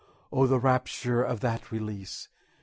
Oh, the rapture of that release!